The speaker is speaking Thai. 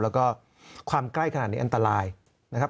แล้วก็ความใกล้ขนาดนี้อันตรายนะครับ